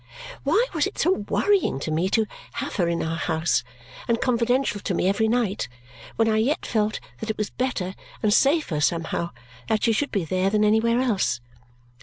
Why was it so worrying to me to have her in our house, and confidential to me every night, when I yet felt that it was better and safer somehow that she should be there than anywhere else?